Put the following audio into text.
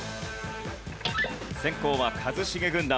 先攻は一茂軍団。